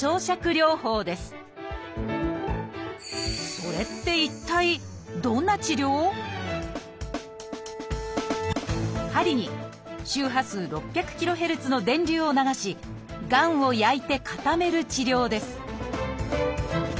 それって一体針に周波数６００ｋＨｚの電流を流しがんを焼いて固める治療です